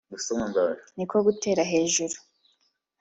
ni ko gutera hejuru